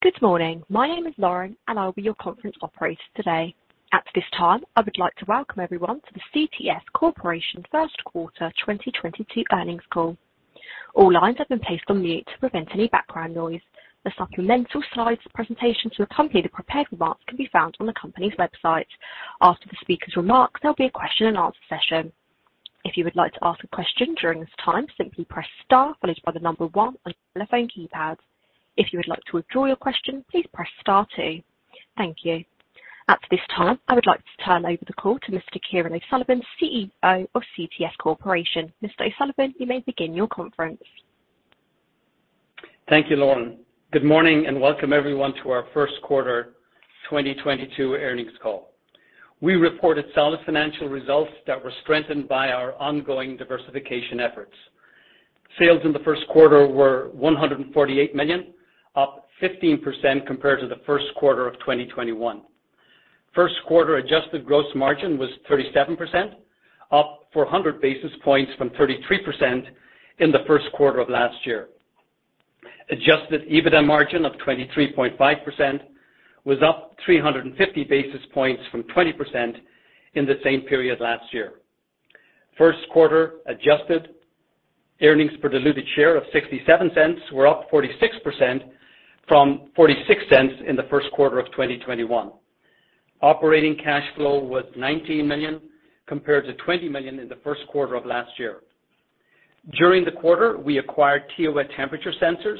Good morning. My name is Lauren, and I will be your conference operator today. At this time, I would like to welcome everyone to the CTS Corporation first quarter 2022 earnings call. All lines have been placed on mute to prevent any background noise. The supplemental slides presentation to accompany the prepared remarks can be found on the company's website. After the speaker's remarks, there'll be a question and answer session. If you would like to ask a question during this time, simply press star followed by the number one on your telephone keypad. If you would like to withdraw your question, please press star two. Thank you. At this time, I would like to turn over the call to Mr. Kieran O'Sullivan, CEO of CTS Corporation. Mr. O'Sullivan, you may begin your conference. Thank you, Lauren. Good morning, and welcome everyone to our first quarter 2022 earnings call. We reported solid financial results that were strengthened by our ongoing diversification efforts. Sales in the first quarter were $148 million, up 15% compared to the first quarter of 2021. First quarter adjusted gross margin was 37%, up 400 basis points from 33% in the first quarter of last year. Adjusted EBITDA margin of 23.5% was up 350 basis points from 20% in the same period last year. First quarter adjusted earnings per diluted share of $0.67 were up 46% from $0.46 in the first quarter of 2021. Operating cash flow was $19 million compared to $20 million in the first quarter of last year. During the quarter, we acquired TEWA Temperature Sensors,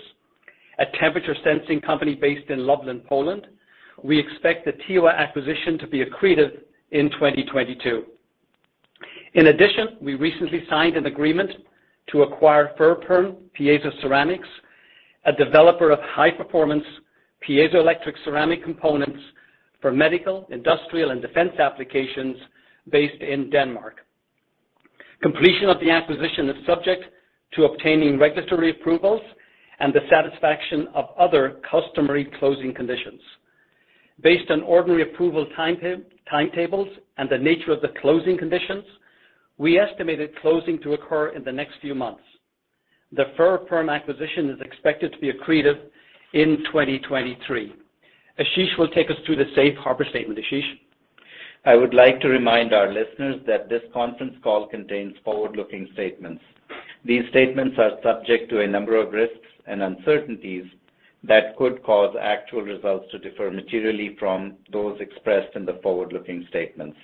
a temperature sensing company based in Lublin, Poland. We expect the TEWA acquisition to be accretive in 2022. In addition, we recently signed an agreement to acquire Ferroperm Piezoceramics, a developer of high-performance piezoelectric ceramic components for medical, industrial and defense applications based in Denmark. Completion of the acquisition is subject to obtaining regulatory approvals and the satisfaction of other customary closing conditions. Based on ordinary approval timetables and the nature of the closing conditions, we estimated closing to occur in the next few months. The Ferroperm acquisition is expected to be accretive in 2023. Ashish will take us through the safe harbor statement. Ashish. I would like to remind our listeners that this conference call contains forward-looking statements. These statements are subject to a number of risks and uncertainties that could cause actual results to differ materially from those expressed in the forward-looking statements.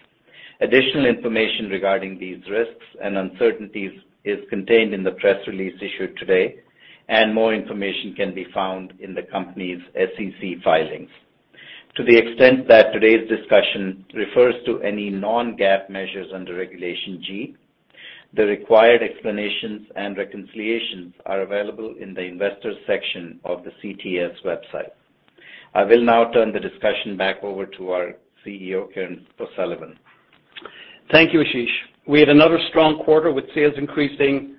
Additional information regarding these risks and uncertainties is contained in the press release issued today, and more information can be found in the company's SEC filings. To the extent that today's discussion refers to any non-GAAP measures under Regulation G, the required explanations and reconciliations are available in the Investors section of the CTS website. I will now turn the discussion back over to our CEO, Kieran O'Sullivan. Thank you, Ashish. We had another strong quarter, with sales increasing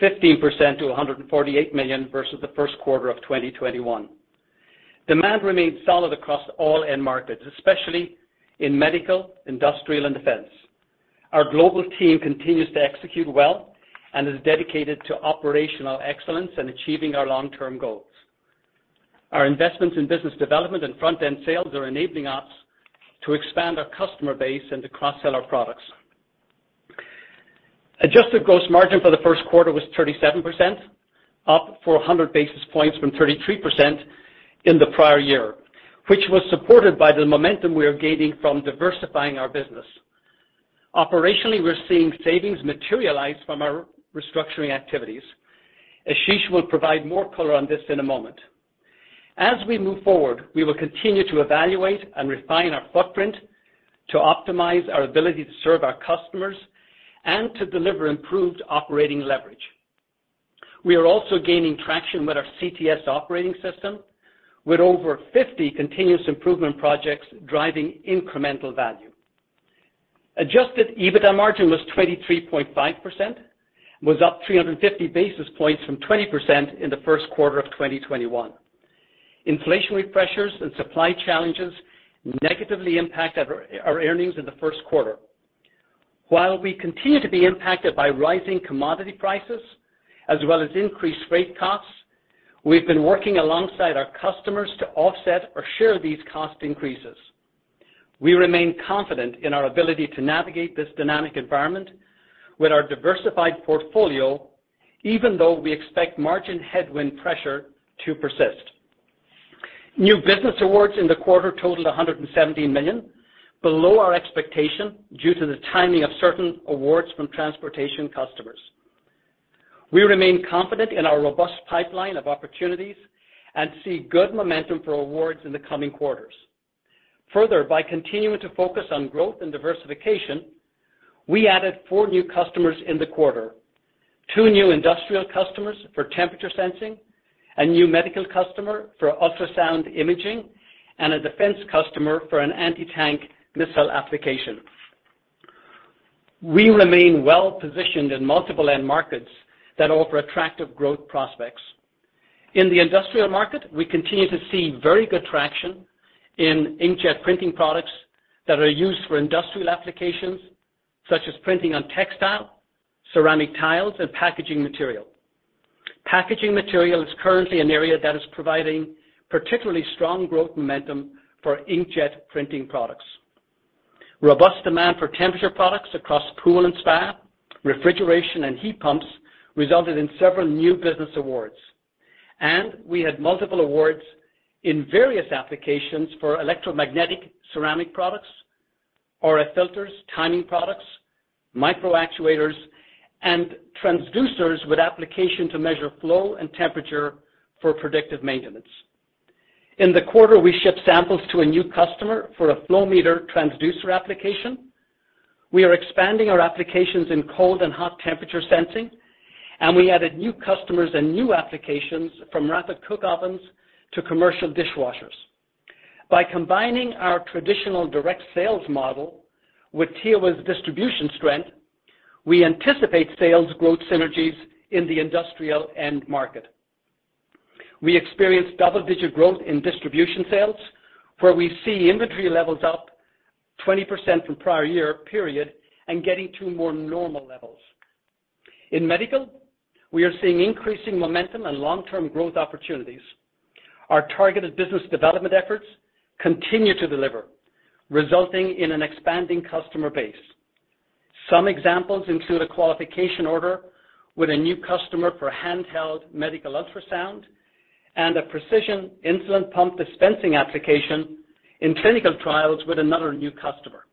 15% to $148 million versus the first quarter of 2021. Demand remained solid across all end markets, especially in medical, industrial, and defense. Our global team continues to execute well and is dedicated to operational excellence and achieving our long-term goals. Our investments in business development and front-end sales are enabling us to expand our customer base and to cross-sell our products. Adjusted gross margin for the first quarter was 37%, up 400 basis points from 33% in the prior year, which was supported by the momentum we are gaining from diversifying our business. Operationally, we're seeing savings materialize from our restructuring activities. Ashish will provide more color on this in a moment. As we move forward, we will continue to evaluate and refine our footprint to optimize our ability to serve our customers and to deliver improved operating leverage. We are also gaining traction with our CTS Operating System, with over 50 continuous improvement projects driving incremental value. Adjusted EBITDA margin was 23.5%, was up 350 basis points from 20% in the first quarter of 2021. Inflationary pressures and supply challenges negatively impact our earnings in the first quarter. While we continue to be impacted by rising commodity prices as well as increased rate costs, we've been working alongside our customers to offset or share these cost increases. We remain confident in our ability to navigate this dynamic environment with our diversified portfolio, even though we expect margin headwind pressure to persist. New business awards in the quarter totaled $117 million, below our expectation due to the timing of certain awards from transportation customers. We remain confident in our robust pipeline of opportunities and see good momentum for awards in the coming quarters. Further, by continuing to focus on growth and diversification, we added four new customers in the quarter. Two new industrial customers for temperature sensing, a new medical customer for ultrasound imaging, and a defense customer for an anti-tank missile application. We remain well-positioned in multiple end markets that offer attractive growth prospects. In the industrial market, we continue to see very good traction in inkjet printing products that are used for industrial applications such as printing on textile, ceramic tiles, and packaging material. Packaging material is currently an area that is providing particularly strong growth momentum for inkjet printing products. Robust demand for temperature products across pool and spa, refrigeration, and heat pumps resulted in several new business awards, and we had multiple awards in various applications for electromagnetic ceramic products, RF filters, timing products, microactuators, and transducers with application to measure flow and temperature for predictive maintenance. In the quarter, we shipped samples to a new customer for a flow meter transducer application. We are expanding our applications in cold and hot temperature sensing, and we added new customers and new applications from rapid cook ovens to commercial dishwashers. By combining our traditional direct sales model with TEWA's distribution strength, we anticipate sales growth synergies in the industrial end market. We experienced double-digit growth in distribution sales, where we see inventory levels up 20% from prior year period and getting to more normal levels. In medical, we are seeing increasing momentum and long-term growth opportunities. Our targeted business development efforts continue to deliver, resulting in an expanding customer base. Some examples include a qualification order with a new customer for handheld medical ultrasound and a precision insulin pump dispensing application in clinical trials with another new customer.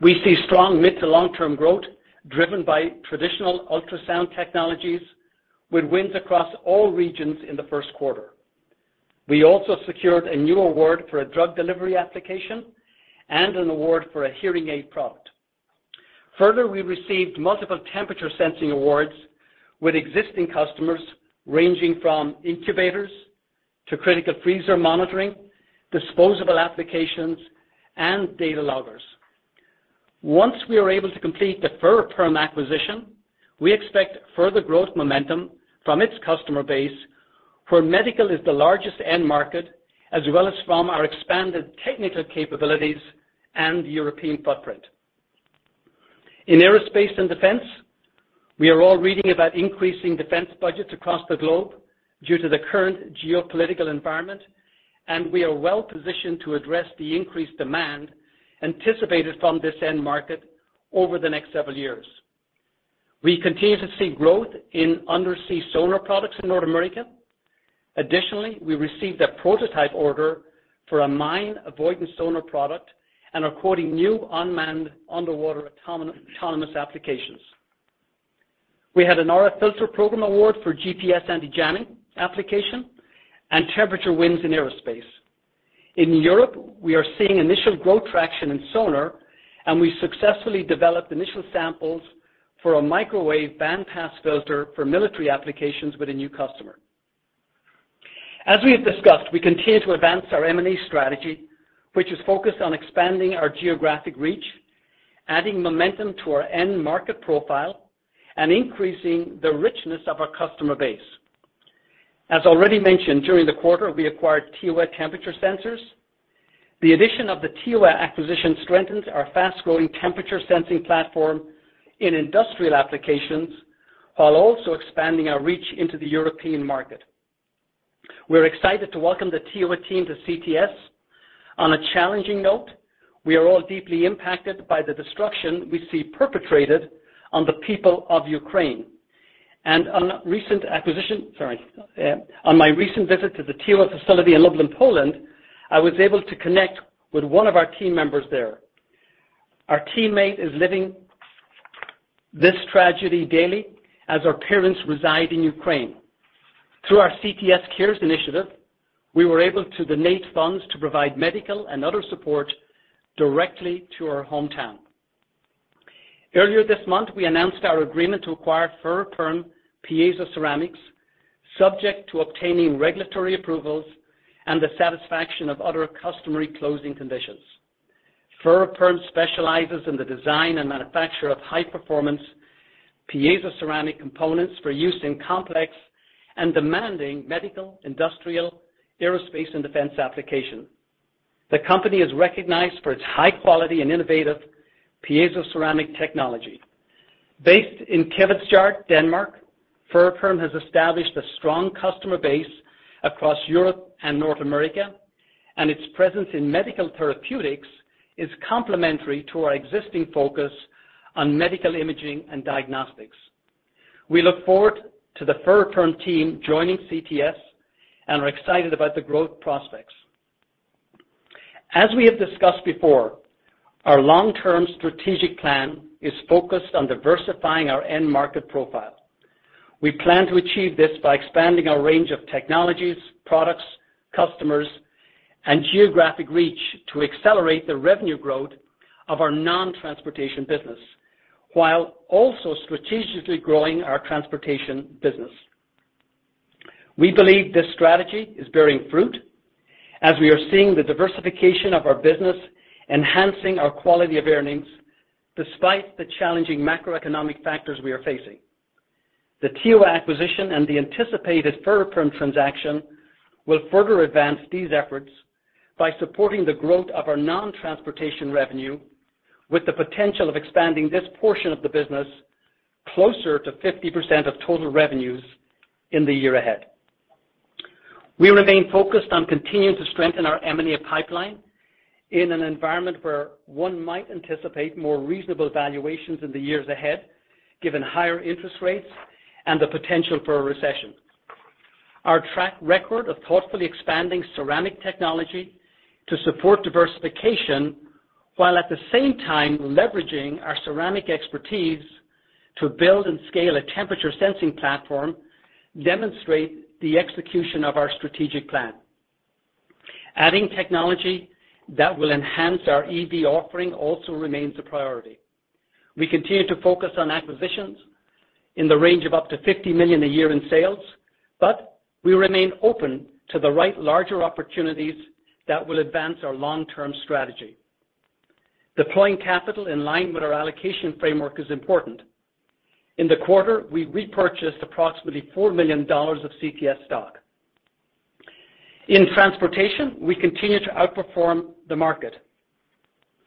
We see strong mid to long-term growth driven by traditional ultrasound technologies with wins across all regions in the first quarter. We also secured a new award for a drug delivery application and an award for a hearing aid product. Further, we received multiple temperature sensing awards with existing customers ranging from incubators to critical freezer monitoring, disposable applications, and data loggers. Once we are able to complete the Ferroperm acquisition, we expect further growth momentum from its customer base, where medical is the largest end market, as well as from our expanded technical capabilities and European footprint. In aerospace and defense, we are all reading about increasing defense budgets across the globe due to the current geopolitical environment, and we are well-positioned to address the increased demand anticipated from this end market over the next several years. We continue to see growth in undersea sonar products in North America. Additionally, we received a prototype order for a mine avoidance sonar product and are quoting new unmanned underwater autonomous applications. We had an RF filter program award for GPS anti-jamming application and temperature wins in aerospace. In Europe, we are seeing initial growth traction in sonar, and we successfully developed initial samples for a microwave band pass filter for military applications with a new customer. As we have discussed, we continue to advance our M&A strategy, which is focused on expanding our geographic reach, adding momentum to our end market profile, and increasing the richness of our customer base. As already mentioned, during the quarter, we acquired TEWA Temperature Sensors. The addition of the TEWA acquisition strengthens our fast-growing temperature sensing platform in industrial applications, while also expanding our reach into the European market. We're excited to welcome the TEWA team to CTS. On a challenging note, we are all deeply impacted by the destruction we see perpetrated on the people of Ukraine. On my recent visit to the TEWA facility in Lublin, Poland, I was able to connect with one of our team members there. Our teammate is living this tragedy daily as her parents reside in Ukraine. Through our CTS Cares initiative, we were able to donate funds to provide medical and other support directly to her hometown. Earlier this month, we announced our agreement to acquire Ferroperm Piezoceramics, subject to obtaining regulatory approvals and the satisfaction of other customary closing conditions. Ferroperm specializes in the design and manufacture of high-performance piezoceramic components for use in complex and demanding medical, industrial, aerospace, and defense application. The company is recognized for its high quality and innovative piezoceramic technology. Based in Kvistgaard, Denmark, Ferroperm has established a strong customer base across Europe and North America, and its presence in medical therapeutics is complementary to our existing focus on medical imaging and diagnostics. We look forward to the Ferroperm team joining CTS and are excited about the growth prospects. As we have discussed before, our long-term strategic plan is focused on diversifying our end market profile. We plan to achieve this by expanding our range of technologies, products, customers, and geographic reach to accelerate the revenue growth of our non-transportation business, while also strategically growing our transportation business. We believe this strategy is bearing fruit as we are seeing the diversification of our business enhancing our quality of earnings despite the challenging macroeconomic factors we are facing. The TEWA acquisition and the anticipated Ferroperm transaction will further advance these efforts by supporting the growth of our non-transportation revenue, with the potential of expanding this portion of the business closer to 50% of total revenues in the year ahead. We remain focused on continuing to strengthen our M&A pipeline in an environment where one might anticipate more reasonable valuations in the years ahead, given higher interest rates and the potential for a recession. Our track record of thoughtfully expanding ceramic technology to support diversification, while at the same time leveraging our ceramic expertise to build and scale a temperature sensing platform, demonstrate the execution of our strategic plan. Adding technology that will enhance our EV offering also remains a priority. We continue to focus on acquisitions in the range of up to $50 million a year in sales, but we remain open to the right larger opportunities that will advance our long-term strategy. Deploying capital in line with our allocation framework is important. In the quarter, we repurchased approximately $4 million of CTS stock. In transportation, we continue to outperform the market.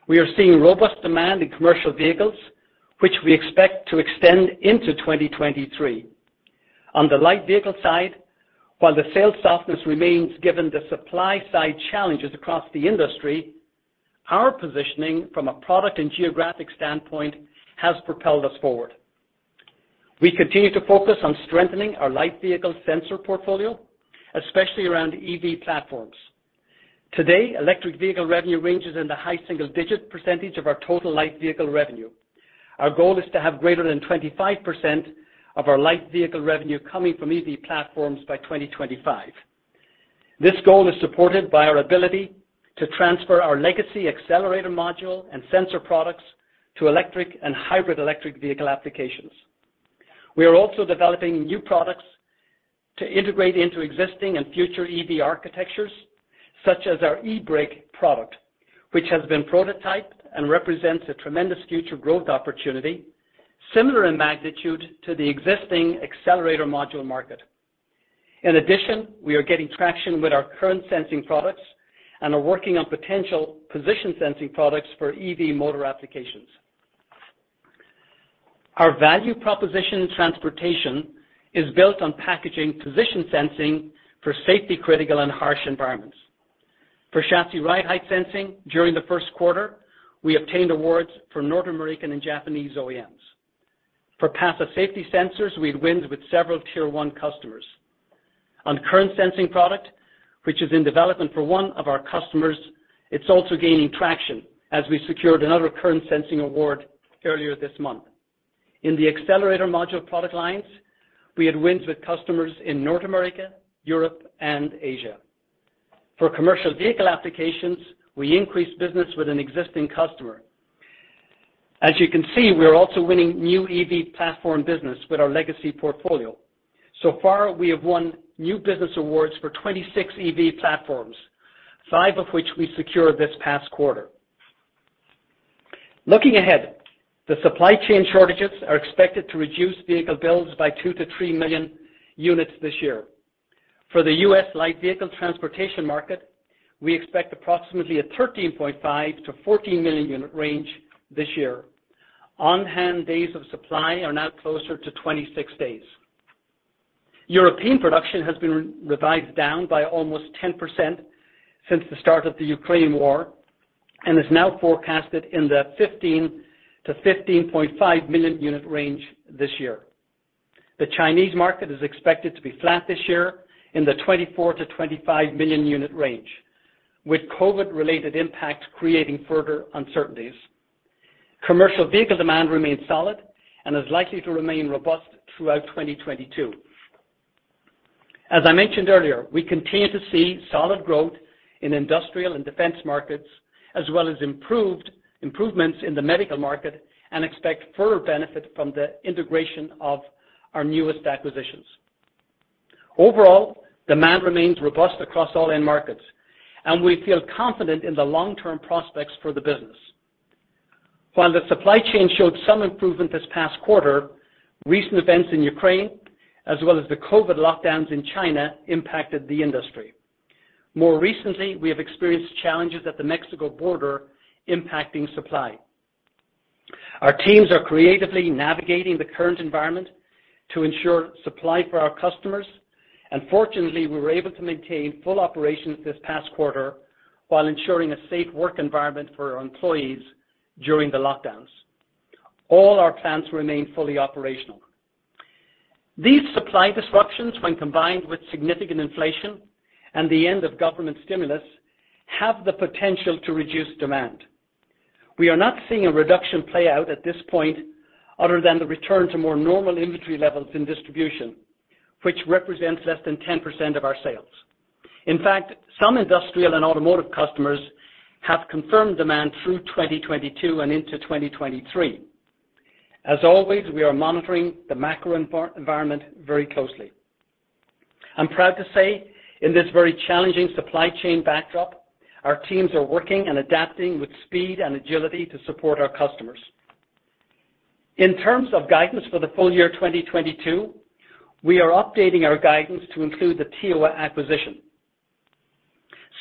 We are seeing robust demand in commercial vehicles, which we expect to extend into 2023. On the light vehicle side, while the sales softness remains given the supply-side challenges across the industry, our positioning from a product and geographic standpoint has propelled us forward. We continue to focus on strengthening our light vehicle sensor portfolio, especially around EV platforms. Today, electric vehicle revenue ranges in the high single-digit percentage of our total light vehicle revenue. Our goal is to have greater than 25% of our light vehicle revenue coming from EV platforms by 2025. This goal is supported by our ability to transfer our legacy accelerator module and sensor products to electric and hybrid electric vehicle applications. We are also developing new products to integrate into existing and future EV architectures, such as our eBrake product, which has been prototyped and represents a tremendous future growth opportunity, similar in magnitude to the existing accelerator module market. In addition, we are getting traction with our current sensing products and are working on potential position sensing products for EV motor applications. Our value proposition in transportation is built on packaging position sensing for safety-critical and harsh environments. For chassis ride height sensing, during the first quarter, we obtained awards from North American and Japanese OEMs. For passive safety sensors, we had wins with several Tier 1 customers. On current sensing product, which is in development for one of our customers, it's also gaining traction as we secured another current sensing award earlier this month. In the accelerator module product lines, we had wins with customers in North America, Europe, and Asia. For commercial vehicle applications, we increased business with an existing customer. As you can see, we are also winning new EV platform business with our legacy portfolio. So far, we have won new business awards for 26 EV platforms, five of which we secured this past quarter. Looking ahead, the supply chain shortages are expected to reduce vehicle builds by 2-3 million units this year. For the U.S. light vehicle transportation market, we expect approximately a 13.5-14 million unit range this year. On-hand days of supply are now closer to 26 days. European production has been revised down by almost 10% since the start of the Ukraine war and is now forecasted in the 15-15.5 million unit range this year. The Chinese market is expected to be flat this year in the 24-25 million unit range, with COVID-related impacts creating further uncertainties. Commercial vehicle demand remains solid and is likely to remain robust throughout 2022. As I mentioned earlier, we continue to see solid growth in industrial and defense markets, as well as improvements in the medical market, and expect further benefit from the integration of our newest acquisitions. Overall, demand remains robust across all end markets, and we feel confident in the long-term prospects for the business. While the supply chain showed some improvement this past quarter, recent events in Ukraine, as well as the COVID lockdowns in China, impacted the industry. More recently, we have experienced challenges at the Mexico border impacting supply. Our teams are creatively navigating the current environment to ensure supply for our customers, and fortunately, we were able to maintain full operations this past quarter while ensuring a safe work environment for our employees during the lockdowns. All our plants remain fully operational. These supply disruptions, when combined with significant inflation and the end of government stimulus, have the potential to reduce demand. We are not seeing a reduction play out at this point other than the return to more normal inventory levels in distribution, which represents less than 10% of our sales. In fact, some industrial and automotive customers have confirmed demand through 2022 and into 2023. As always, we are monitoring the macro environment very closely. I'm proud to say, in this very challenging supply chain backdrop, our teams are working and adapting with speed and agility to support our customers. In terms of guidance for the full year 2022, we are updating our guidance to include the TEWA acquisition.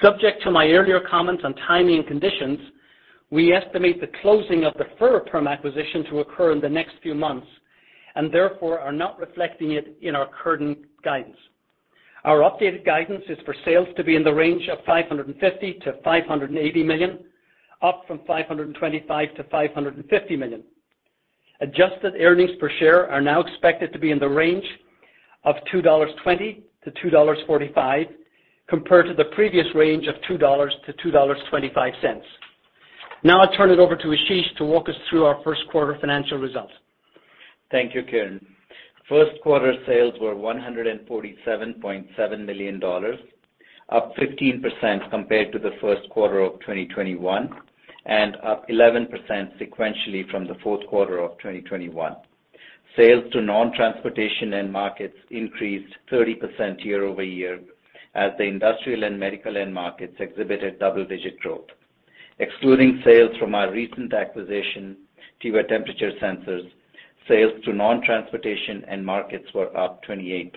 Subject to my earlier comments on timing and conditions, we estimate the closing of the Ferroperm acquisition to occur in the next few months, and therefore are not reflecting it in our current guidance. Our updated guidance is for sales to be in the range of $550 million-$580 million, up from $525 million-$550 million. Adjusted earnings per share are now expected to be in the range of $2.20-$2.45, compared to the previous range of $2.00-$2.25. Now, I'll turn it over to Ashish to walk us through our first quarter financial results. Thank you, Kieran. First quarter sales were $147.7 million, up 15% compared to the first quarter of 2021, and up 11% sequentially from the fourth quarter of 2021. Sales to non-transportation end markets increased 30% year-over-year as the industrial and medical end markets exhibited double-digit growth. Excluding sales from our recent acquisition, TEWA Temperature Sensors, sales to non-transportation end markets were up 28%.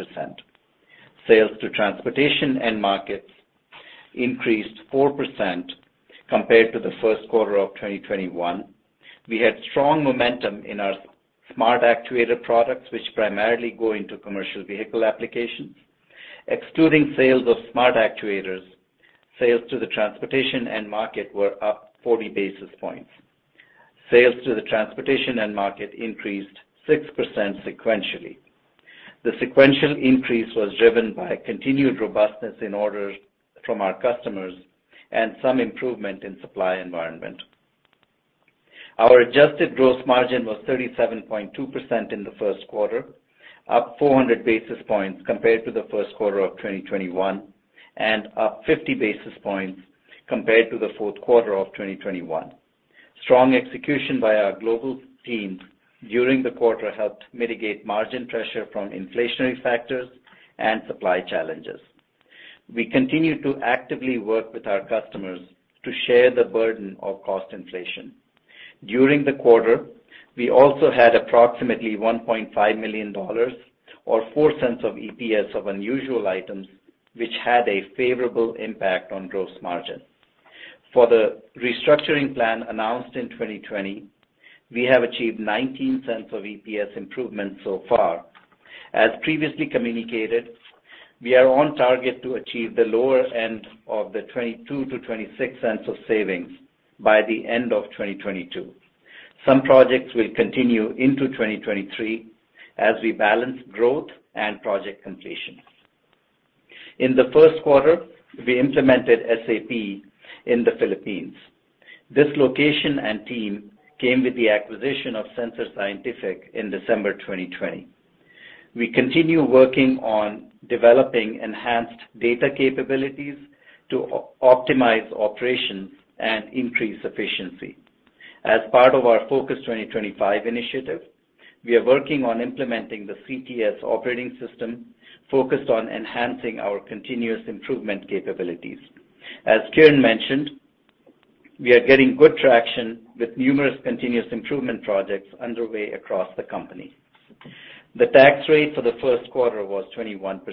Sales to transportation end markets increased 4% compared to the first quarter of 2021. We had strong momentum in our smart actuator products, which primarily go into commercial vehicle applications. Excluding sales of smart actuators, sales to the transportation end market were up 40 basis points. Sales to the transportation end market increased 6% sequentially. The sequential increase was driven by continued robustness in orders from our customers and some improvement in supply environment. Our adjusted gross margin was 37.2% in the first quarter, up 400 basis points compared to the first quarter of 2021, and up 50 basis points compared to the fourth quarter of 2021. Strong execution by our global teams during the quarter helped mitigate margin pressure from inflationary factors and supply challenges. We continue to actively work with our customers to share the burden of cost inflation. During the quarter, we also had approximately $1.5 million or $0.4 of EPS of unusual items, which had a favorable impact on gross margin. For the restructuring plan announced in 2020, we have achieved $0.19 of EPS improvement so far. As previously communicated, we are on target to achieve the lower end of the $0.22-$0.26 of savings by the end of 2022. Some projects will continue into 2023 as we balance growth and project completion. In the first quarter, we implemented SAP in the Philippines. This location and team came with the acquisition of Sensor Scientific in December 2020. We continue working on developing enhanced data capabilities to optimize operations and increase efficiency. As part of our Focus 2025 initiative, we are working on implementing the CTS Operating System focused on enhancing our continuous improvement capabilities. As Kieran mentioned, we are getting good traction with numerous continuous improvement projects underway across the company. The tax rate for the first quarter was 21%,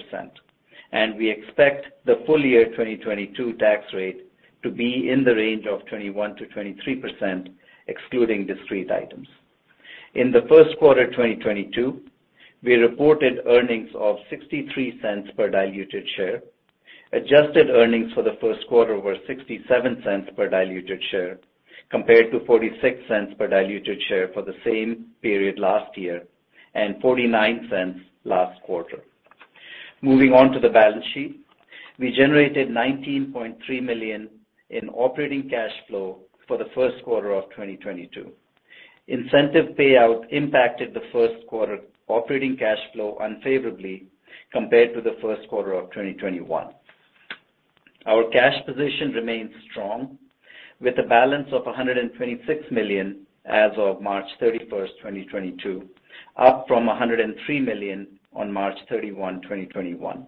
and we expect the full year 2022 tax rate to be in the range of 21%-23%, excluding discrete items. In the first quarter 2022, we reported earnings of $0.63 per diluted share. Adjusted earnings for the first quarter were $0.67 per diluted share, compared to $0.46 per diluted share for the same period last year, and $0.49 last quarter. Moving on to the balance sheet. We generated $19.3 million in operating cash flow for the first quarter of 2022. Incentive payout impacted the first quarter operating cash flow unfavorably compared to the first quarter of 2021. Our cash position remains strong with a balance of $126 million as of March 31st, 2022, up from $103 million on March 31, 2021.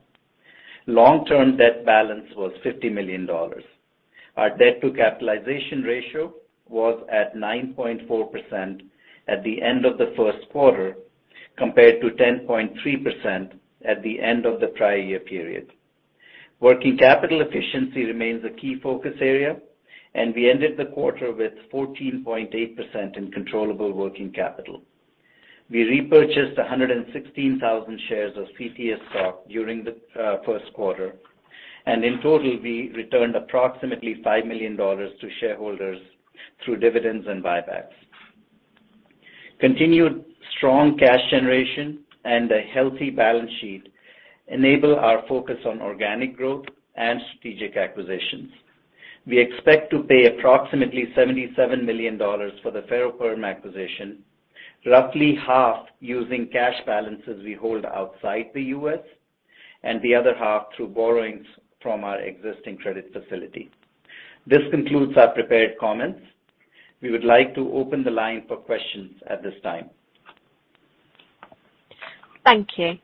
Long-term debt balance was $50 million. Our debt-to-capitalization ratio was at 9.4% at the end of the first quarter, compared to 10.3% at the end of the prior year period. Working capital efficiency remains a key focus area, and we ended the quarter with 14.8% in controllable working capital. We repurchased 116,000 shares of CTS stock during the first quarter, and in total, we returned approximately $5 million to shareholders through dividends and buybacks. Continued strong cash generation and a healthy balance sheet enable our focus on organic growth and strategic acquisitions. We expect to pay approximately $77 million for the Ferroperm acquisition, roughly half using cash balances we hold outside the U.S., and the other half through borrowings from our existing credit facility. This concludes our prepared comments. We would like to open the line for questions at this time. Thank you.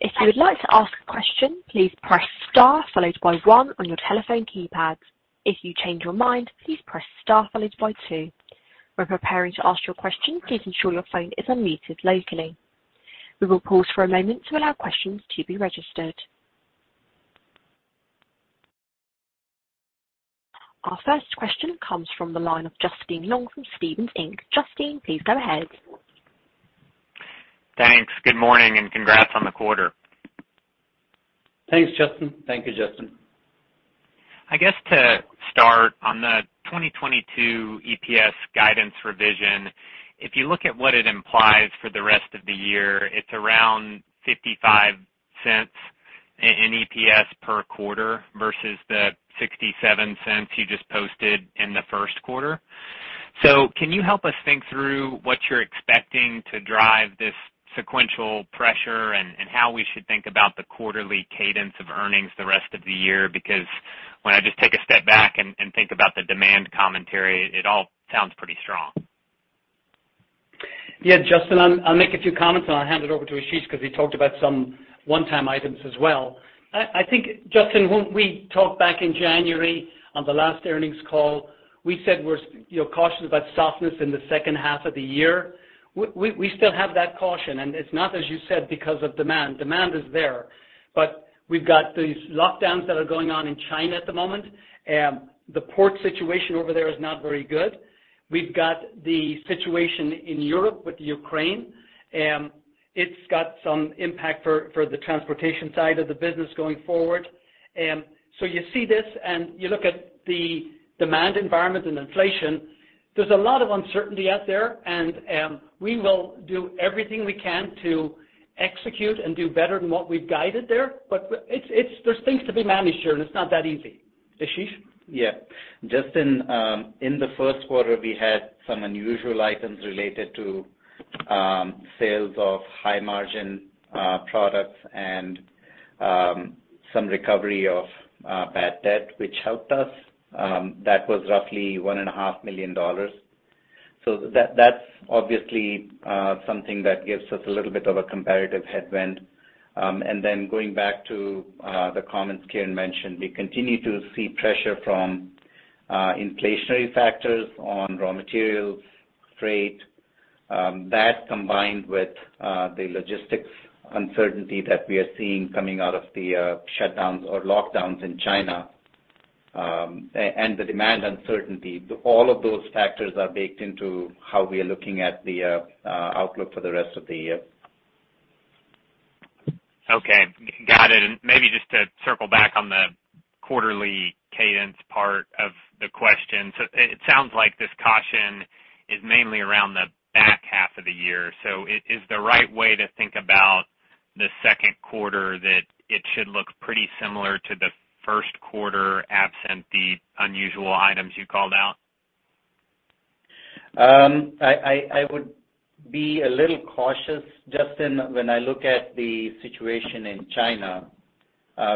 If you would like to ask a question, please press star followed by one on your telephone keypads. If you change your mind, please press star followed by two. When preparing to ask your question, please ensure your phone is unmuted locally. We will pause for a moment to allow questions to be registered. Our first question comes from the line of Justin Long from Stephens Inc. Justin, please go ahead. Thanks. Good morning, and congrats on the quarter. Thanks, Justin. Thank you, Justin. I guess to start on the 2022 EPS guidance revision, if you look at what it implies for the rest of the year, it's around $0.55 in EPS per quarter versus the $0.67 you just posted in the first quarter. Can you help us think through what you're expecting to drive this sequential pressure and how we should think about the quarterly cadence of earnings the rest of the year? Because when I just take a step back and think about the demand commentary, it all sounds pretty strong. Yeah, Justin, I'll make a few comments, and I'll hand it over to Ashish because he talked about some one-time items as well. I think, Justin, when we talked back in January on the last earnings call, we said we're you know, cautious about softness in the second half of the year. We still have that caution, and it's not, as you said, because of demand. Demand is there. We've got these lockdowns that are going on in China at the moment. The port situation over there is not very good. We've got the situation in Europe with Ukraine. It's got some impact for the transportation side of the business going forward. You see this, and you look at the demand environment and inflation. There's a lot of uncertainty out there, and we will do everything we can to execute and do better than what we've guided there. There's things to be managed here, and it's not that easy. Ashish? Yeah. Justin, in the first quarter, we had some unusual items related to sales of high-margin products and some recovery of bad debt, which helped us. That was roughly $1.5 million. That's obviously something that gives us a little bit of a comparative headwind. Going back to the comments Kieran mentioned, we continue to see pressure from inflationary factors on raw materials, freight, that combined with the logistics uncertainty that we are seeing coming out of the shutdowns or lockdowns in China, and the demand uncertainty. All of those factors are baked into how we are looking at the outlook for the rest of the year. Okay. Got it. Maybe just to circle back on the quarterly cadence part of the question. It sounds like this caution is mainly around the back half of the year. Is the right way to think about the second quarter that it should look pretty similar to the first quarter, absent the unusual items you called out? I would be a little cautious, Justin, when I look at the situation in China.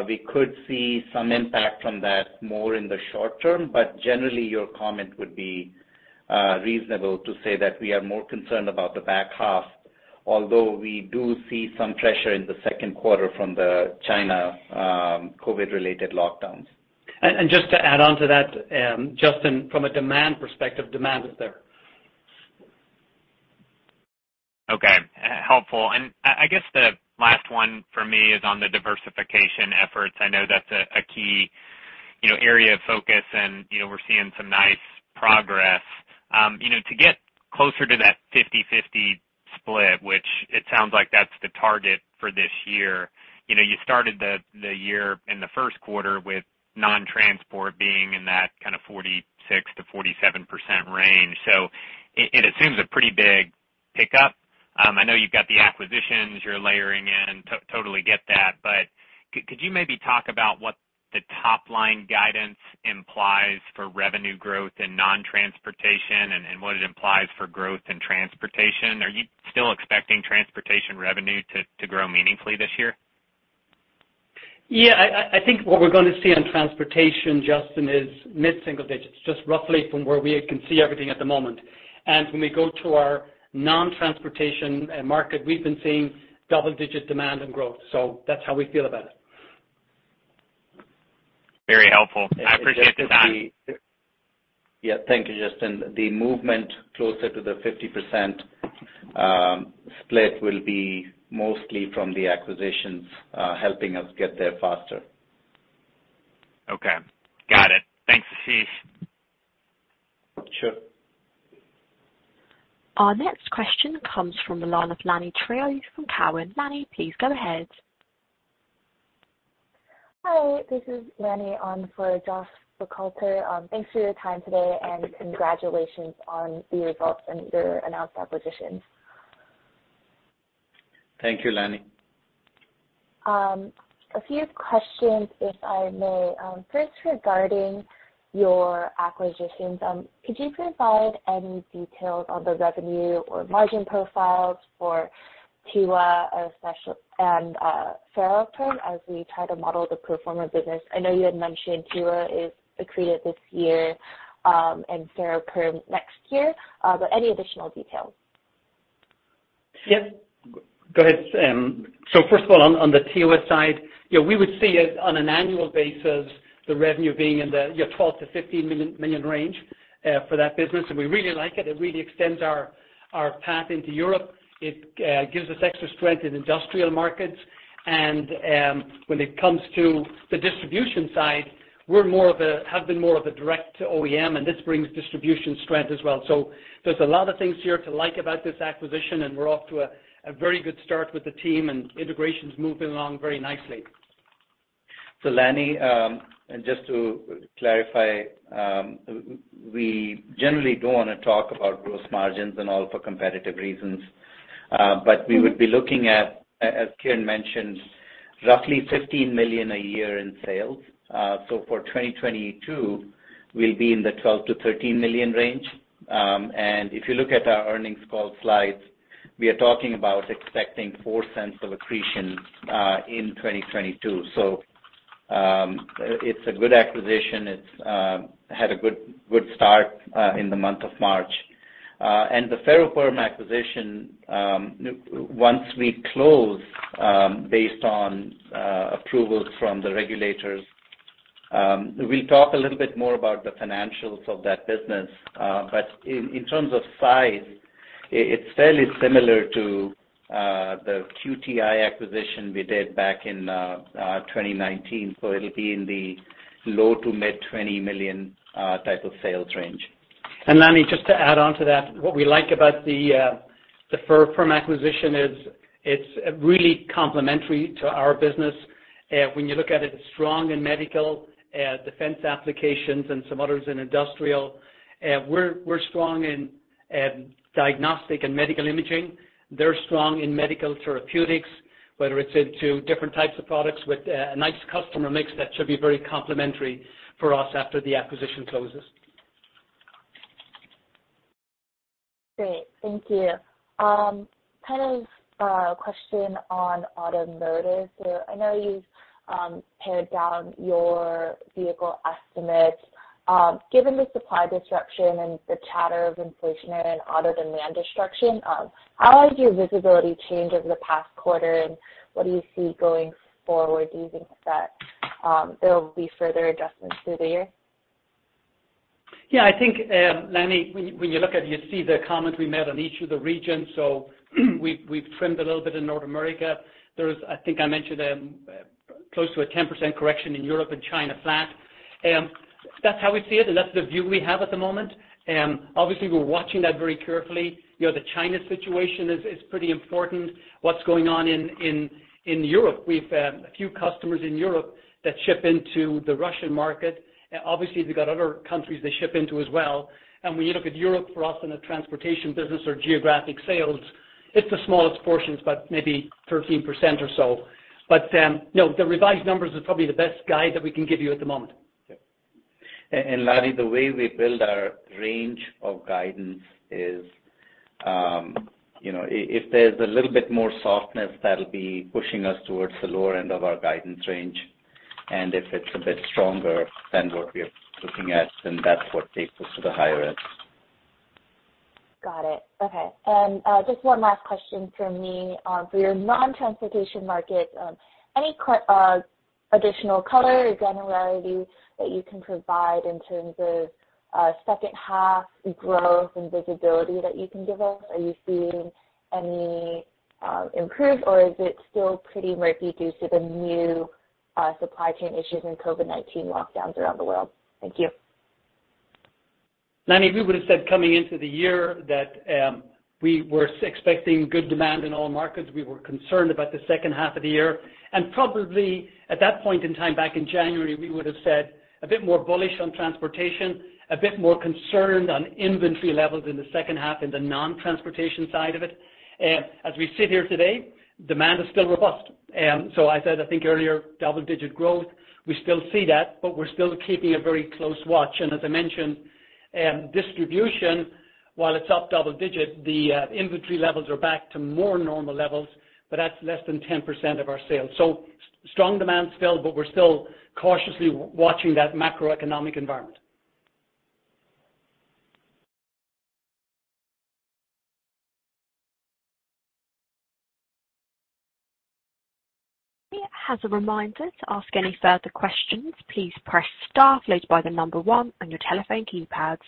We could see some impact from that more in the short term, but generally, your comment would be reasonable to say that we are more concerned about the back half, although we do see some pressure in the second quarter from the China, COVID-related lockdowns. Just to add on to that, Justin, from a demand perspective, demand is there. Okay. Helpful. I guess, the last one for me is on the diversification efforts. I know that's a key, you know, area of focus, and, you know, we're seeing some nice progress. To get closer to that 50-50 split, which it sounds like that's the target for this year, you know, you started the year in the first quarter with non-transport being in that kind of 46%-47% range. It assumes a pretty big pickup. I know you've got the acquisitions you're layering in. Totally get that. Could you maybe talk about what the top-line guidance implies for revenue growth in non-transportation and what it implies for growth in transportation? Are you still expecting transportation revenue to grow meaningfully this year? Yeah. I think what we're gonna see on transportation, Justin, is mid-single digits, just roughly from where we can see everything at the moment. When we go to our non-transportation market, we've been seeing double-digit demand and growth. That's how we feel about it. Very helpful. I appreciate the time. Yeah. Thank you, Justin. The movement closer to the 50% split will be mostly from the acquisitions, helping us get there faster. Okay. Got it. Thanks, Ashish. Sure. Our next question comes from the line of Lanny Trillo from Cowen. Lanny, please go ahead. Hi, this is Lanny Trillo on for Josh Buchalter. Thanks for your time today, and congratulations on the results and your announced acquisitions. Thank you, Lanny. A few questions, if I may. First, regarding your acquisitions, could you provide any details on the revenue or margin profiles for TEWA and Ferroperm as we try to model the pro forma business. I know you had mentioned TEWA is accretive this year, and Ferroperm next year, but any additional details? Yes. Go ahead. First of all, on the TEWA side, you know, we would see it on an annual basis, the revenue being in the, yeah, $12 million-$15 million range for that business, and we really like it. It really extends our path into Europe. It gives us extra strength in industrial markets, and when it comes to the distribution side, we have been more of a direct to OEM, and this brings distribution strength as well. There's a lot of things here to like about this acquisition, and we're off to a very good start with the team, and integration's moving along very nicely. Lanny, and just to clarify, we generally don't wanna talk about gross margins and all for competitive reasons. We would be looking at, as Kieran mentioned, roughly $15 million a year in sales. For 2022, we'll be in the $12 million-$13 million range. If you look at our earnings call slides, we are talking about expecting $0.04 of accretion in 2022. It's a good acquisition. It's had a good start in the month of March. The Ferroperm acquisition, once we close, based on approvals from the regulators, we'll talk a little bit more about the financials of that business. In terms of size, it's fairly similar to the QTI acquisition we did back in 2019, so it'll be in the low to mid $20 million type of sales range. Lanny, just to add on to that, what we like about the Ferroperm acquisition is it's really complementary to our business. When you look at it's strong in medical, defense applications and some others in industrial. We're strong in diagnostic and medical imaging. They're strong in medical therapeutics, whether it's into different types of products with a nice customer mix that should be very complementary for us after the acquisition closes. Great. Thank you. Kind of a question on automotive. I know you've pared down your vehicle estimates. Given the supply disruption and the chatter of inflationary and auto demand destruction, how has your visibility changed over the past quarter, and what do you see going forward? Do you think that there will be further adjustments through the year? Yeah, I think, Lanny, when you look at, you see the comment we made on each of the regions. We've trimmed a little bit in North America. There's, I think I mentioned, close to a 10% correction in Europe and China flat. That's how we see it, and that's the view we have at the moment. Obviously we're watching that very carefully. You know, the China situation is pretty important. What's going on in Europe, we've a few customers in Europe that ship into the Russian market. Obviously, they've got other countries they ship into as well. When you look at Europe for us in a transportation business or geographic sales, it's the smallest portions, but maybe 13% or so. You know, the revised numbers is probably the best guide that we can give you at the moment. Lanny, the way we build our range of guidance is, you know, if there's a little bit more softness, that'll be pushing us towards the lower end of our guidance range. If it's a bit stronger than what we're looking at, then that's what takes us to the higher end. Got it. Okay. Just one last question from me. For your non-transportation market, any additional color or generality that you can provide in terms of second half growth and visibility that you can give us? Are you seeing any improvement, or is it still pretty murky due to the new supply chain issues and COVID-19 lockdowns around the world? Thank you. Lanny, we would've said coming into the year that we were expecting good demand in all markets. We were concerned about the second half of the year. Probably at that point in time back in January, we would've said a bit more bullish on transportation, a bit more concerned on inventory levels in the second half in the non-transportation side of it. As we sit here today, demand is still robust. I said I think earlier double-digit growth, we still see that, but we're still keeping a very close watch. As I mentioned, distribution, while it's up double digit, the inventory levels are back to more normal levels, but that's less than 10% of our sales. Strong demand still, but we're still cautiously watching that macroeconomic environment. As a reminder to ask any further questions, please press star followed by the number one on your telephone keypads.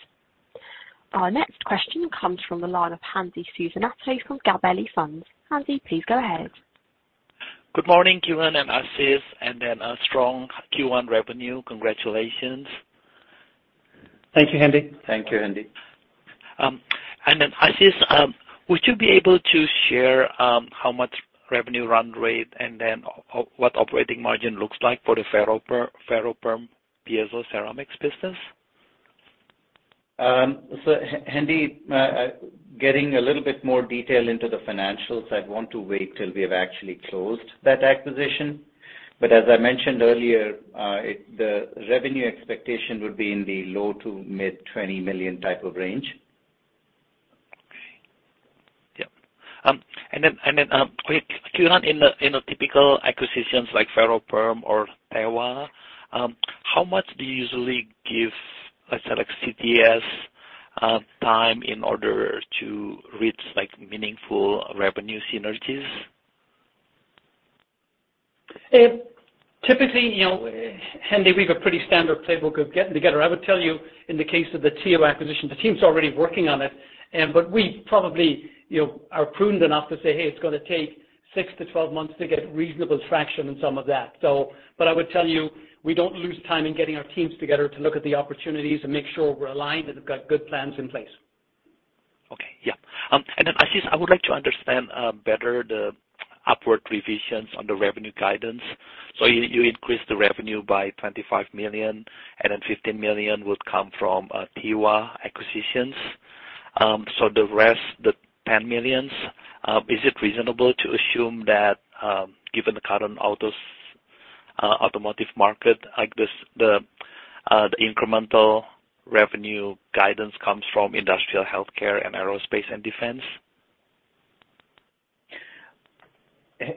Our next question comes from the line of Hendi Susanto from Gabelli Funds. Hendi, please go ahead. Good morning, Kieran and Ashish, and then a strong Q1 revenue. Congratulations. Thank you, Hendi. Thank you, Hendi. Ashish, would you be able to share how much revenue run rate and then what operating margin looks like for the Ferroperm Piezoceramics business? Hendi, getting a little bit more detail into the financials, I'd want to wait till we have actually closed that acquisition. As I mentioned earlier, the revenue expectation would be in the low to mid-$20 million type of range. Wait, Kieran, in a typical acquisitions like Ferroperm or TEWA, how much do you usually give, let's say like CTS, time in order to reach like meaningful revenue synergies? Typically, you know, Hendi, we have a pretty standard playbook of getting together. I would tell you in the case of the TEWA acquisition, the team's already working on it. We probably, you know, are prudent enough to say, "Hey, it's gonna take six to 12 months to get reasonable traction in some of that." I would tell you, we don't lose time in getting our teams together to look at the opportunities and make sure we're aligned, and we've got good plans in place. Okay. Yeah. Ashish, I would like to understand better the upward revisions on the revenue guidance. You increased the revenue by $25 million, and then $15 million would come from TEWA acquisitions. The rest, the $10 million, is it reasonable to assume that, given the current automotive market, the incremental revenue guidance comes from industrial, healthcare, and aerospace and defense?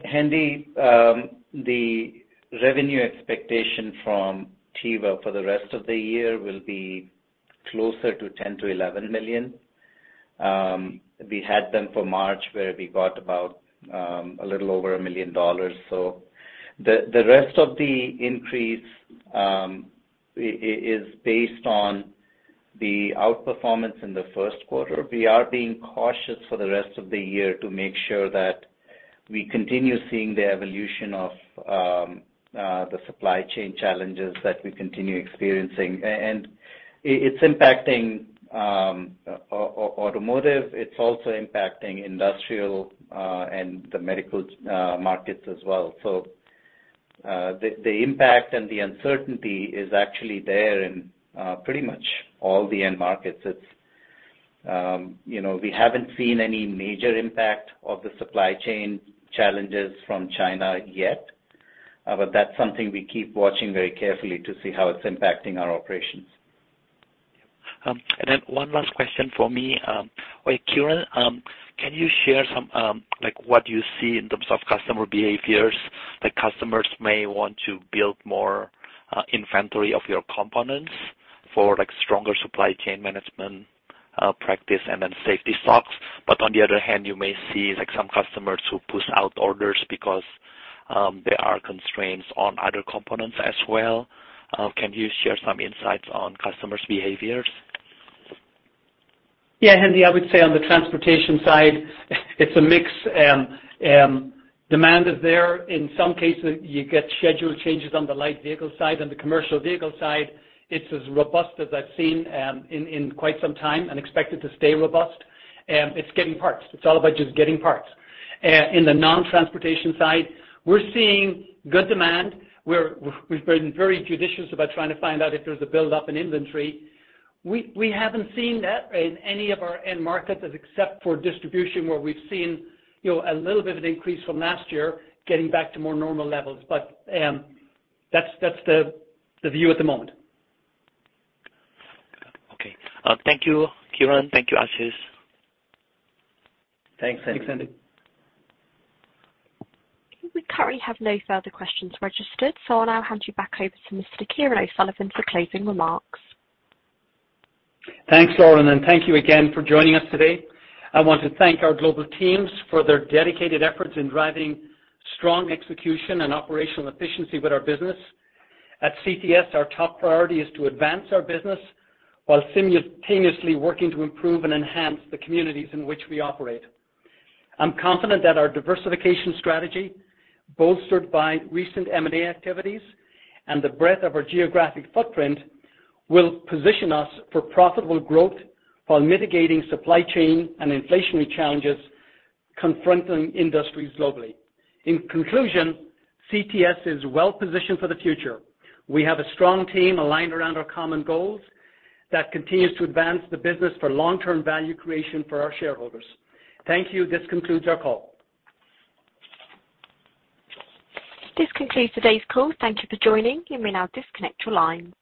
Hendi, the revenue expectation from TEWA for the rest of the year will be closer to $10 million-$11 million. We had them for March, where we got about a little over $1 million. The rest of the increase is based on the outperformance in the first quarter. We are being cautious for the rest of the year to make sure that we continue seeing the evolution of the supply chain challenges that we continue experiencing. It's impacting automotive. It's also impacting industrial and the medical markets as well. The impact and the uncertainty is actually there in pretty much all the end markets. You know, we haven't seen any major impact of the supply chain challenges from China yet, but that's something we keep watching very carefully to see how it's impacting our operations. One last question for me. Wait, Kieran, can you share some, like what you see in terms of customer behaviors? Like, customers may want to build more inventory of your components for, like, stronger supply chain management practice and then safety stocks. On the other hand, you may see, like, some customers who push out orders because there are constraints on other components as well. Can you share some insights on customers' behaviors? Yeah, Hendi, I would say on the transportation side, it's a mix. Demand is there. In some cases, you get schedule changes on the light vehicle side. On the commercial vehicle side, it's as robust as I've seen in quite some time and expect it to stay robust. It's getting parts. It's all about just getting parts. In the non-transportation side, we're seeing good demand. We've been very judicious about trying to find out if there's a buildup in inventory. We haven't seen that in any of our end markets except for distribution, where we've seen, you know, a little bit of an increase from last year getting back to more normal levels. That's the view at the moment. Okay. Thank you, Kieran. Thank you, Ashish. Thanks, Hendi. Thanks, Hendi. We currently have no further questions registered, so I'll now hand you back over to Mr. Kieran O'Sullivan for closing remarks. Thanks, Lauren, and thank you again for joining us today. I want to thank our global teams for their dedicated efforts in driving strong execution and operational efficiency with our business. At CTS, our top priority is to advance our business while simultaneously working to improve and enhance the communities in which we operate. I'm confident that our diversification strategy, bolstered by recent M&A activities and the breadth of our geographic footprint, will position us for profitable growth while mitigating supply chain and inflationary challenges confronting industries globally. In conclusion, CTS is well-positioned for the future. We have a strong team aligned around our common goals that continues to advance the business for long-term value creation for our shareholders. Thank you. This concludes our call. This concludes today's call. Thank you for joining. You may now disconnect your line.